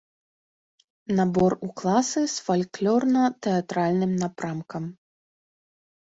Набор у класы з фальклорна-тэатральным напрамкам.